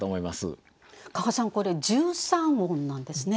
加賀さんこれ１３音なんですね。